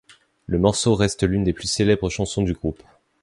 Le morceau reste l'une des plus célèbres chansons du groupe.